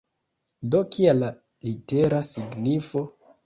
Do, kia la litera signifo?